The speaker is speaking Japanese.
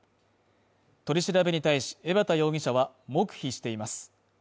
取り調べに対し江畑容疑者は黙秘しています。